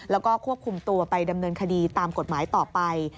แล้วก็ควบคุมตัวไปดำเนินคดีตามกฎหมายต่อไป